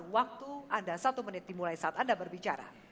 waktu anda satu menit dimulai saat anda berbicara